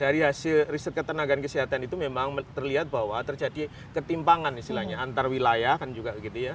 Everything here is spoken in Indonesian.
dari hasil riset ketenagaan kesehatan itu memang terlihat bahwa terjadi ketimpangan istilahnya antar wilayah kan juga gitu ya